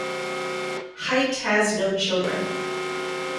Hite has no children.